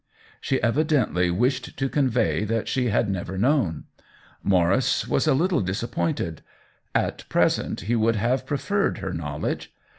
She evidently wished to convey that she had never known. Maurice was a little dis appointed ; at present he would have pre 64 THE WHEEL OF TIME ferred her knowledge.